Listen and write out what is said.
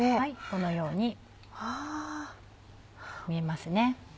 このように見えますね。